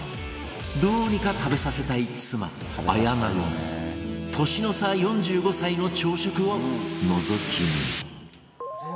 どうにか食べさせたい妻・綾菜の年の差４５歳の朝食をのぞき見。